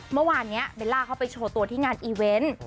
เมื่อวานนี้เบลล่าเขาไปโชว์ตัวที่งานอีเวนต์